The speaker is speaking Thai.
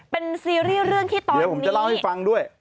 เป็นซีรีส์เรื่องที่ตอนนี้เดี๋ยวผมจะเล่าให้ฟังด้วย